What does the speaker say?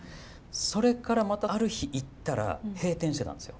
それからまたある日行ったら閉店してたんですよ。